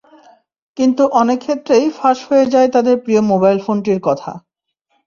কিন্তু অনেক ক্ষেত্রেই ফাঁস হয়ে যায় তাঁদের প্রিয় মোবাইল ফোনটির কথা।